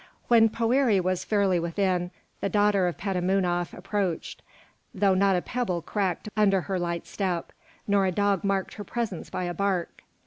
When Poëri was fairly within, the daughter of Petamounoph approached, though not a pebble cracked under her light step, nor a dog marked her presence by a bark.